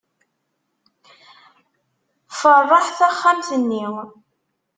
Feṛṛeḥ taxxamt-nni.